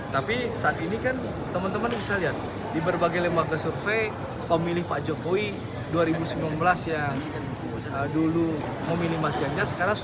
tapi saat ini kan teman teman bisa lihat di berbagai lembaga survei pemilih pak jokowi dua ribu sembilan belas yang dulu memilih mas ganjar